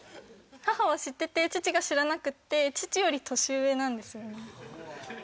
母は知ってて父が知らなくってなんですよね